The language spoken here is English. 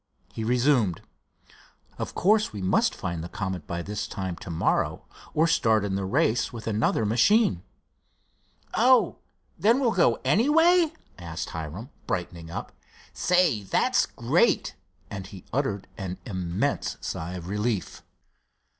He resumed: "Of course, we must find the Comet by this time to morrow, or start in the race with another machine." "Oh, then we'll go anyway?" asked Hiram, brightening up. "Say, that's great!" and he uttered an immense sigh of relief.